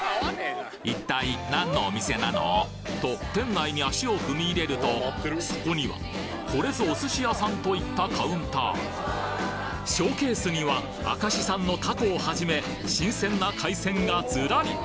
一体何のお店なの？と店内に足を踏み入れるとそこにはこれぞお寿司屋さんといったカウンターショーケースには明石産のタコをはじめ新鮮な海鮮がずらり！